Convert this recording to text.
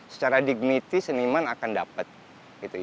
secara dignity seniman akan dapat